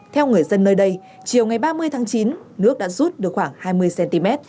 theo người dân nơi đây chiều ngày ba mươi tháng chín nước đã rút được khoảng hai mươi cm